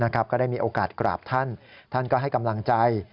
ก็ได้มีโอกาสกราบท่านท่านก็ให้กำลังใจ